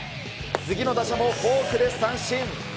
次の打者もフォークで三振。